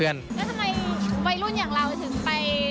แล้วทำไมวัยรุ่นอย่างเราถึงไป